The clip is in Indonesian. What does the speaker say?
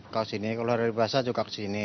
kalau sini kalau dari basah juga ke sini